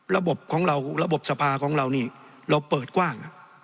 ระบบของเราระบบสภาของเรานี่เราเปิดกว้าง